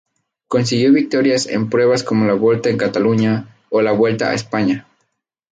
Consiguió victorias en pruebas como la Volta a Catalunya o la Vuelta a España.